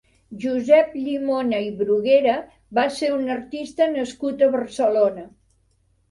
Josep Llimona i Bruguera va ser un artista nascut a Barcelona.